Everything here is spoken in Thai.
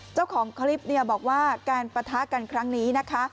เจ้าของคลิปเนี่ยบอกว่าการปะทะกันครั้งนี้นะคะ